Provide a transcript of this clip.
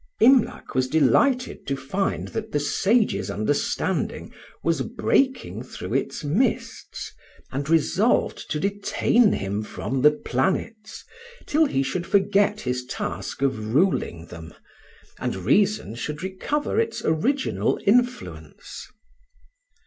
Imlac was delighted to find that the sage's understanding was breaking through its mists, and resolved to detain him from the planets till he should forget his task of ruling them, and reason should recover its original influence.